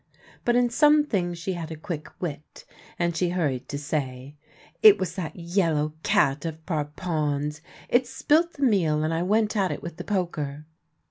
But in some things she had a quick wit, and she hurried to say :" It was that yellow cat of Parpen's. It spilt the meal, and I went at it with the poker."